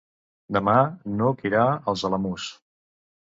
Demà n'Hug irà als Alamús.